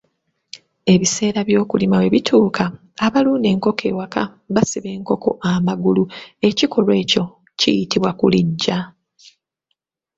"Ebiseera by’okulima bwe bituuka, abalunda enkoko ewaka basiba enkoko amagulu, ekikolwa ekyo kiyitibwa kulijja."